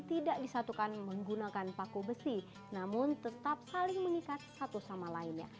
tidak disatukan menggunakan paku besi namun tetap saling mengikat satu sama lainnya